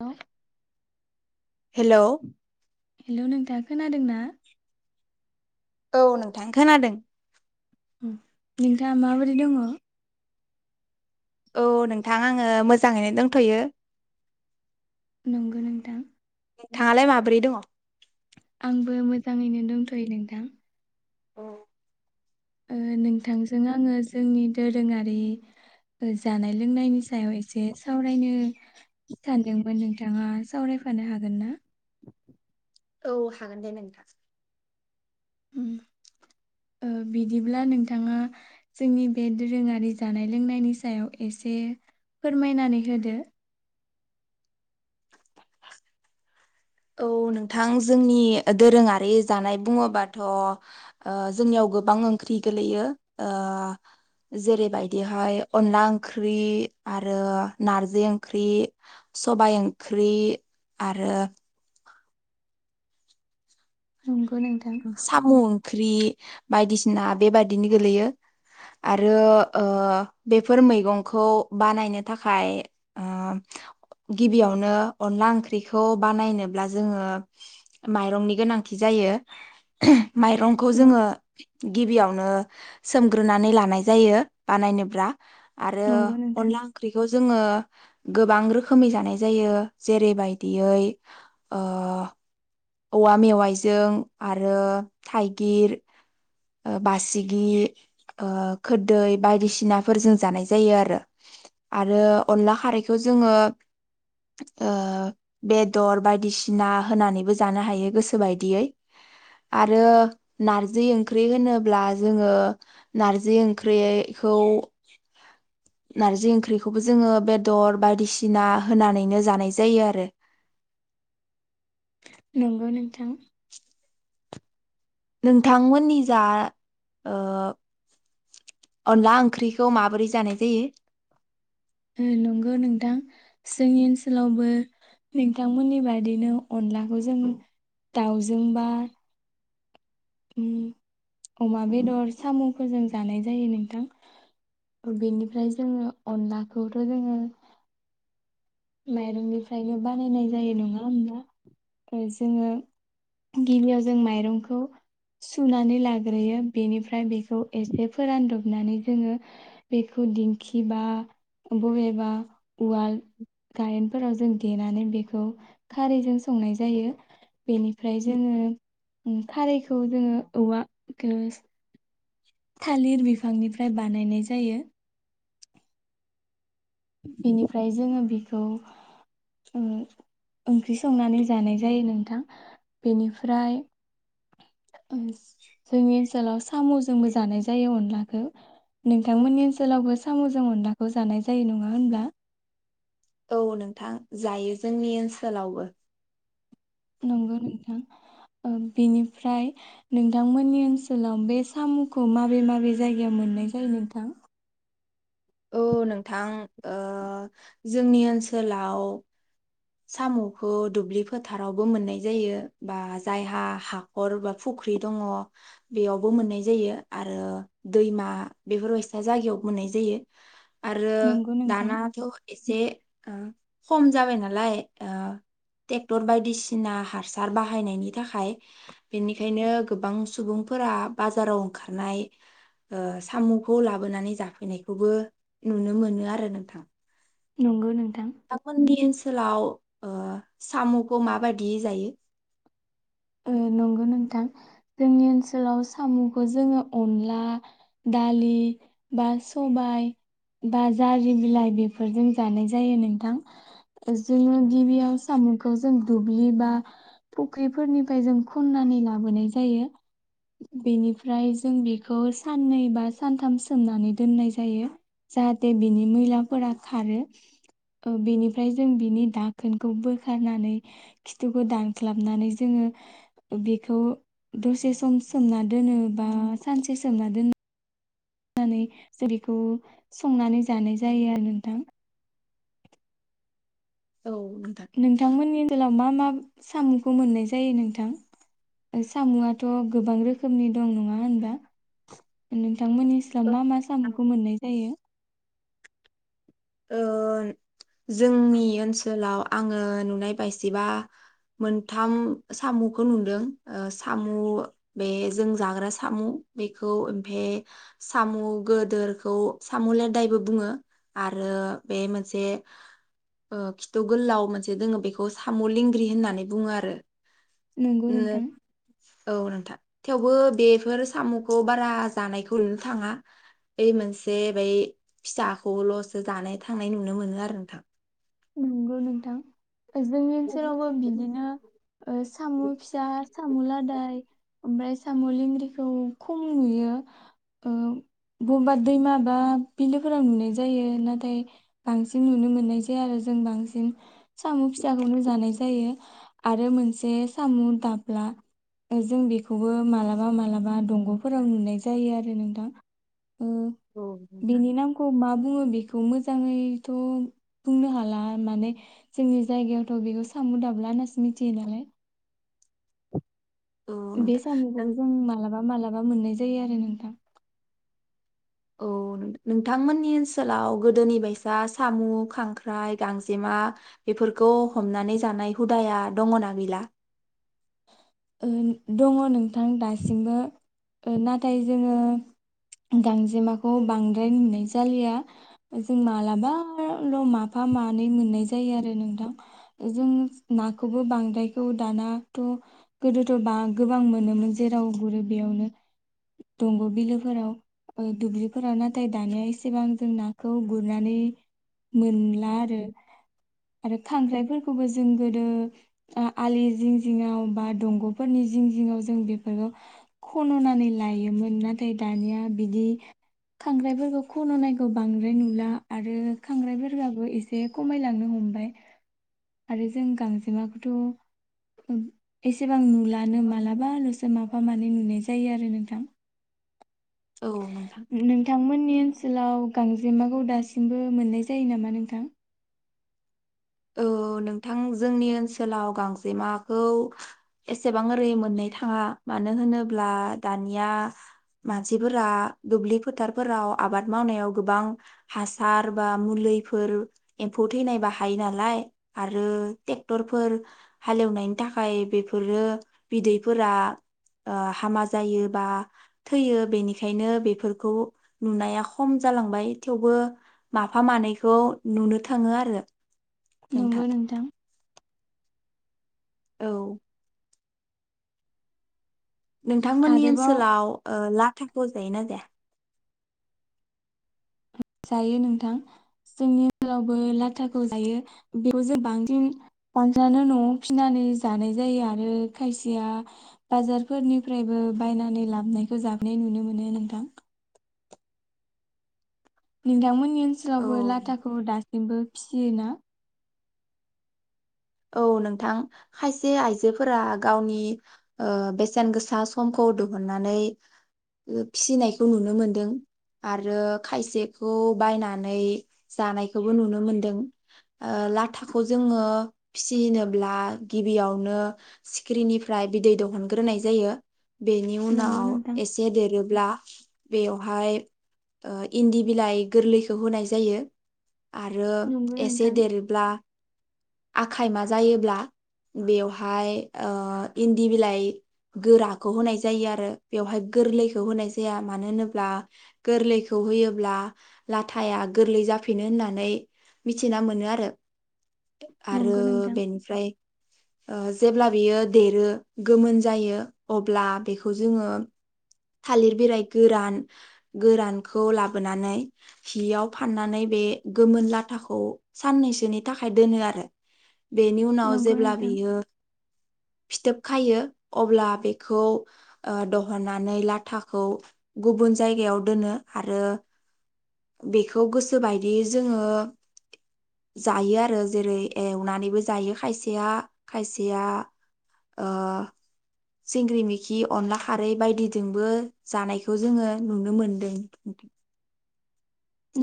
औ hello hello नोंथाङा खोनादों ना औ नोंथां खोनादों। नोंथाङा माबोरि दङ? औ नोंथां आङो मोजाङैनो दंथयो नोंगौ नोंथां। नोंथाङालाय माब्रै दङ? आंबो मोजाङैनो दंथ'यो नोंथां। औ ओ नोंथांजों आङो जोंनि दोरोङारि जानाय लोंनायनि सायाव एसे सावरायनो सानदोंमोन नोंथाङा सावरायफानो हागोन ना औ हागोन दे नोंथां ओ बिदिब्ला नोंथाङा जोंनि बे दोरोङारि जानाय लोंनायनि सायाव एसे फोरमायनानै होदो। औ नोंथां जोंनि दोरोङारि जानाय बुङोबाथ' ओ जोंनियाव गोबां ओंख्रि गोलैयो ओ जेरैबायदिहाय अनला ओंख्रि आरो नारजि ओंख्रि सबाय ओंख्रि आरो औ साम ओंख्रि बायदिसिना बेबादिनो गोलैयो आरो ओ बेफोर मैगंखौ बानायनो थाखाय ओम गिबियावनो अनला ओंख्रिखौ बानायनोब्ला जोङो माइरंनि गोनांथि जायो [inaudible] माइरंखौ जोङो गिबियावनो सोमग्रोनानै लानाय जायो बानायनोब्रा आरो नंगौ नोंथां अनला ओंख्रिखौ जोङो गोबां रोखोमै जानाय जायो जेरै बायदियै ओ औवा मेवाइजों आरो थाइगिर ओ बासिगि ओ खोरदै बायदिसिनाफोर जों जानाय जायो आरो आरो अनला खारैखौ जोङो ओ बेदर बायदिसिना होनानैबो ज जानो हायो गोसो बायदियै आरो नारजि ओंख्रि होनोब्ला जोङो नारजि ओंख्रिखौ नारजि ओंख्रिखौबो जोङो बेदर बायदिसिना होनानैनो जानाय जायो आरो। नंगौ नोंथां नोंथांमोननि जा ओ अनला ओंख्रिखौ माबोरै जानाय जायो? उम नोंगौ नोंथां जोंनि ओनसोलावबो नोंथांमोननि बादिनो अनलाखौ जों दाउजों बा ओम अमा बेदर सामुफोरजों जानाय जायो नोंथां बेनिफ्राय जोङो अनलाखौथ' जोङो माइरंनिफ्रायनो बानायनाय जायो नङा होमब्ला जोङो गिबियाव जों माइरंखौ सुनानै लाग्रोयो बेनिफ्राय बेखौ एसे फोरानदबनानै जोङो बेखौ दिंखि बा बबेबा उवाल गायेनफोराव जों देनानै बेखौ खारैजों संनाय जायो बेनिफ्राय जोङो खारैखौ जोङो औवा [unintelligible] थालिर बिफांनिफ्राय बानायनाय जायो। बेनिफ्राय जोङो बेखौ ओ ओंख्रि संनानै जानाय जायो नोंथां। बेनिफ्राय जोंनि ओनसोलाव सामुजोंबो जानाय जायो अनलाखो। नोंथांमोननि ओनसोलावबो साम'जों अनलाखौ जानाय जायो नङा? ङा होनब्ला औ नोंथां जायो जोंनि ओनसोलावबो नंगौ नोंथां ओ बेनिफ्राय नोंथांमोननि ओनसोलाव बे सामखौ माबे माबे जायगायाव मोननाय जायो नोंथां? औ नोंथां ओ जोंनि ओनसोलाव सामुखौ दुब्लि फोथारावबो मोननाय जायो बा जायहा हाखर बा फुख्रि दङ बेयावबो मोननाय जायो आरो दैमा बेफोरबायसा जायगायावबो मोननाय जायो। आरो नंगौ नोंथां दानााथ एसे ओ खम जाबाय नालाय नालाय ओ टेक्टर बायदिसिना हासार बाहायनायनि थाखाय बेनिखायनो गोबां सुबुंफोरा बाजाराव ओंखारनाय सामुखौ लाबोनानै जाफैनायखौबो नुनो मोनो आरो नोंथां। नंगौ नों नोंथांमोननि ओनसो ओनसोलाव ओ सामुखौ माबायदि जायो? नंगौ नोंथां जोंनि ओनसोलाव सामुखौ जोङो अनला दालि बा सबाय बा जारि बिलाइ बेफोरजों जानाय जायो नोंथां जोङो गिबियाव सामुखौ जों दुब्लि बा फुख्रि फोरनिफ्राय जों खननानै लाबोनाय जायो बेनिफ्राय जों बेखौ साननै बा सानथाम सोमनानै दोननाय जायो जाहाथे बिनि मैलाफोरा खारो बेनिफ्राय जों बिनि दाखोनखौ बोखारनानै खिथुखौ दानख्लाबनानै जोङो बेखौ दसे सम सोमना दोनो बा सानसे सोमना दोनो। नानै जेरैखौ संनानै जानाय जायो आरो नोंथां। औ नोंथां। नोंथांमोननि ओनोलाव मा मा सामुखौ मोननाय जायो नोंथां सामुआथ' गोबां रोखोमनि दं नङा होनबा? नोंथांमोननि ओनसोलाव मा मा सामुखौ मोननाय जायो? ओ जोंनि ओनसोलाव आङो नुनाय बायसिबा मोनथाम सामुखौ नुदों सामु बे जों जाग्रा सामु बेखौ ओमफाय सामु गोदोरखौ सामु लेदायबो बुङो आरो। आरो बे मोनसे खिथु गोलाव मोनसे दोङो बेखौ साम' लेंग्रि होननानै बुङो आरो। नंगौ नोंथां औ नोंथां। थेवबो बेफोर सामुखौ बारा जानायखौ नुनो थाङा ओइ मोनसे बै फिसाखौल'स जानाय थांनाय नुनो मोनो आरो नोंथां। नंगौ नोंथां। जोंनि औ ओनसोलावबो बिदिनो सामु फिसा सामु लादाय ओमफ्राय सामु लेंग्रिखौ खम नुयो बबेबा दैमा बा बिलोफोराव नुनाय जायो नाथाय बांसिन नुनो मोननाय जायो। आरो जों बांसिन सामु फिसाखौनो जानाय जायो आरो मोनसे सामु दाब्ला जों बेखौबो मालाबा मालाबा दंग'फोराव नुनाय जायो आरो नोंथां। ओ नोंथां। बिनि नामखौ मा बुङो बेखौ मोजाङैथ' बुंनो हाला माने जोंनि जायगायावथ' बेखौ सामु दाब्ला होननासो मिथियो नालाय। औ बे नोंथां सामुखौबो नों जों मालाबा मालाबा माबा मोननाय जायो आरो नोंथां। औ नोंथांमोननि ओनसोलाव गोदोनि बायसा सामू खांख्राइ गांजेमा बेफोरखौ हमनानै जानाय हुदाया दङना गैला? ओ दङ नोंथां दासिमबो नाथाय जोङो गांजेमाखौ बांद्राय नुनाय जालिया जों मालाबाल' माफा मानै मोननाय जायो आरो नोंथां जों नाखौबो बांद्रायखौ दानाथ' गोदोथ' बा गोबां मोनोमोन जेराव गुरो बेयावनो दंग' बिलोफोराव दुब्लिफोराव नाथाय दानिया एसेबां जों नाखौ गुरनानै मोनला आरो आरो खांख्राइफोरखौबो जों गोदो आलि जिं जिङाव बा दंग'फोरनि जिं जिङाव जों बेफोरखौ खन'नानै लायोमोन नाथाय दानिया बिदि खांख्राइफोरखौ खन'नायखौ बांद्राय नुला आरो खांख्राइफोराबो एसे खमायलांनो हमबाय। आरो जों गांजेमाखौथ' एसेबां नुलानो मालाबाल'सो माफा मानै नुनाय जायो आरो नोंथां। औ नोंथां। नोंथांमोननि ओनसोलाव गांजेमाखौ दासिमबो मोननाय जायो नामा नोंथां? औ नोंथां जोंनि ओनसोलाव गांजेमाखौ एसेबां ओरै मोननो थाङा मानो होनोब्ला दानिया मानसिफोरा दुब्लि फोथारफोराव आबाद मावनायाव गोबां हासार बा मुलिफोर एम्फौ थैनाय बाहायो नालाय नालाय आरो टेक्टरफोर हालेवनायनि थाखाय बेफोरो बिदैफोरा हामा जायो बा थैयो बेनिखायनो बेफोरखौ नुनाया खम जालांबाय थेवबो माफा मानैखौ नुनो थाङो आरो। नंगौ नोंथां। औ नोंथांमोननि आरोबाव ओनसोलाव ओ लाख थास जायो ना जाया जायो नोंथां जोंनि ओनसोलावबो लाथाखौ जायो बेखौ जों बांसिन बानस्रानो नआव फिनानै जानाय जायो आरो खायसेया बाजारफोरनिफ्रायबो बायनानै लाबोनायखौ जाफोनाय नुनो मोनो नोंथां नोंदा मोन जोंनि औ ओनसोलावबो लाथाखौ दासिमबो फिसियोना औ नोंथां खायसे आइजोफोरा गावनि ओ बेसेन गोसा समखौ दुहुननानै फिनायखौ नुनो मोनदों आरो खायसेखौ बायनानै जानायखौबो नुनो मोनदों ओ लाथाखौ जोङो फिसिनोब्ला गिबियावनो सिखिरिनिफ्राय बिदै दहनग्रोनाय जायो बेनि नंगौ उनाव नोंथां एसे देरोब्ला बेयावहाय ओ इन्दि बिलाइ गोरलैखौ होनाय जायो आरो नंगौ एसे नोंथां देरोब्ला आखायमा जायोब्ला बेवहाय ओ इन्दि बिलाइ गोराखौ होनाय जायो आरो बेवहाय गोरलैखौ होनाय जाया मानो होनोब्ला गोरलैखौ होयोब्ला लाथाया गोरलै जाफिनो होननानै मिथिना मोनो आरो आरो नंगौ नोंथां बेनिफ्राय ओ जेब्ला बियो देरो गोमोन जायो अब्ला बेखौ जोङो थालिर बिराय गोरान गोरानखौ लाबोनानै हियाव फाननानै बे गोमोन लाथाखौ साननैसोनि थाखाय दोनो आरो बेनि उनाव नंगौ जेब्ला नोंथां बियो फिथोब खायो अब्ला बेखौ ओ दहना नै लाथाखौ गुब ज दोन आरो बेखौ गोसोबायदि जोङो जायो आरो जेरै एवनानैबो जायो खायसेया खायसेया ओ सिंग्रि मिखि अनला खारै बायदि जोंबो जानायखौ जोङो नुनो मोनदों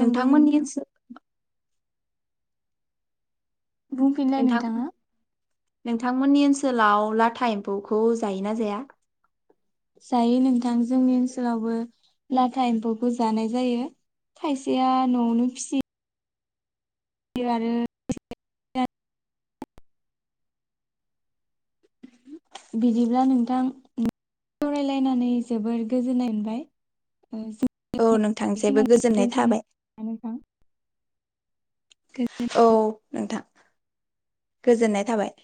नंगौ नोंथां नोंथांमोननिसो बुंफिनलाय नोंथां नोंथाङा नोंथांमोननि ओनसोलाव लाथा एम्फौखौ जायोना जाया जायो नोंथां जोंनि ओनसोलावबो लाथा एम्फौखौ जानाय जायो खायसेया न'आवनो फिसियो बे आरो [unintelligible] बिदिब्ला नोंथां सावरायलायनानै जोबोर गोजोननाय मोनबाय औ नोंथांसबो बेखिनियावनो गोजोननाय थाबाय दोनथ'नोसै नोंथां। औ नोंथां गोजोननाय थाबाय